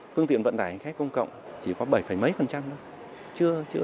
phương tiện vận tải khách công cộng chỉ có bảy mấy phần trăm thôi